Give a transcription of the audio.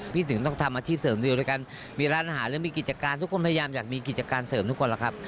ถึงต้องทำอาชีพเสริมเดียวด้วยกันมีร้านอาหารหรือมีกิจการทุกคนพยายามอยากมีกิจการเสริมทุกคนล่ะครับ